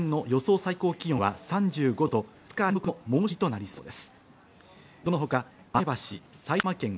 最高気温は３５度と２日連続の猛暑日となりそうです。